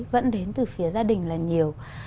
vẫn đến từ phía gia đình là nhiều